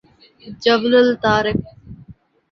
جبل الطارق